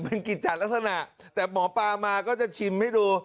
เป็นกิจจัดลักษณะแต่หมอปลามาก็จะชิมให้ดู